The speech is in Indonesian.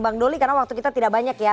bang doli karena waktu kita tidak banyak ya